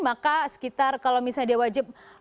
maka sekitar kalau misalnya dia wajib empat triliun